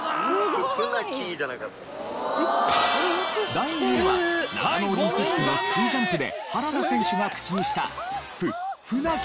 第２位は長野オリンピックのスキージャンプで原田選手が口にしたふ、ふなき。